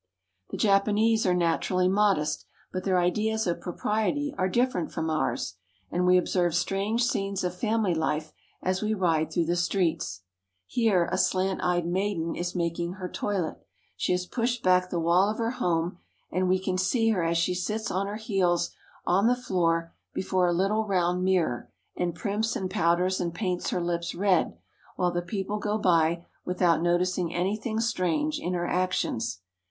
The Japanese are naturally modest, but their ideas of propriety are different from ours, and we observe strange scenes of family life as we ride through the streets. Here a slant eyed maiden is making her toilet. She has pushed back the wall of her home, and we can see her as she sits on her heels on the floor before a little round mirror and primps and powders and paints her lips red, while the people go by without noticing anything strange in her actions.